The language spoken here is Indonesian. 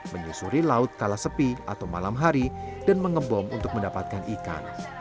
menyusuri laut kala sepi atau malam hari dan mengebom untuk mendapatkan ikan